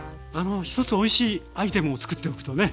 一つおいしいアイテムを作っておくとね